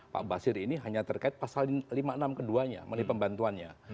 pak basir ini hanya terkait pasal lima puluh enam keduanya melalui pembantuannya